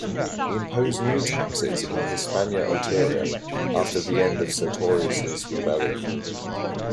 He imposed new taxes in Hispania Ulterior after the end of Sertorius' rebellion.